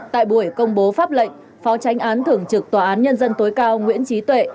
tại buổi công bố pháp lệnh phó tranh án thưởng trực tòa án nhân dân tối cao nguyễn trí tuệ